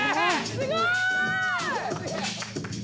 すごーい！